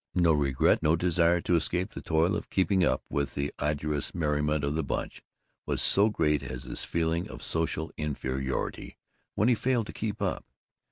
No regret, no desire to escape the toil of keeping up with the arduous merriment of the Bunch, was so great as his feeling of social inferiority when he failed to keep up.